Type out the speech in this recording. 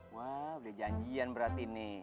wah udah janjian berarti nih